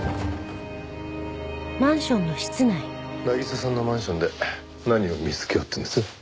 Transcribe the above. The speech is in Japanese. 渚さんのマンションで何を見つけようっていうんです？